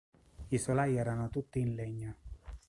I solai erano tutti in legno.